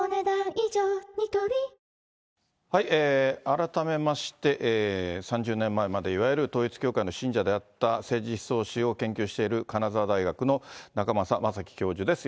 改めまして、３０年前までいわゆる統一教会の信者であった、政治思想を研究している金沢大学の仲正昌樹教授です。